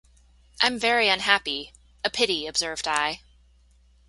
‘I’m very unhappy!’ ‘A pity,’ observed I.